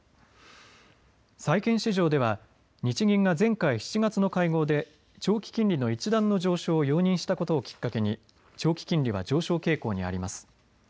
債券市場では日銀が前回７月の会合で長期金利の一段の上昇を容認したことをきっかけに長期金利は上昇傾向にあります。